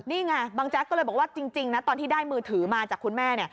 นี่ไงบางแจ๊กก็เลยบอกว่าจริงนะตอนที่ได้มือถือมาจากคุณแม่เนี่ย